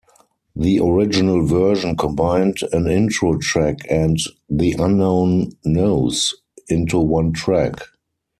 The original version combined an intro track and "The Unknown Knows" into one track.